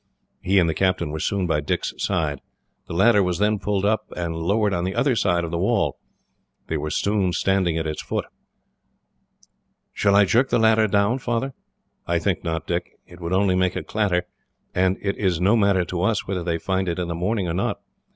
He and the captain were soon by Dick's side. The ladder was then pulled up, and lowered on the other side of the wall. They were soon standing at its foot. "Shall I jerk the ladder down, Father?" "I think not, Dick. It would only make a clatter, and it is no matter to us whether they find it in the morning or not.